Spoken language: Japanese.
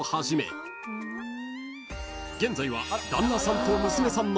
［現在は］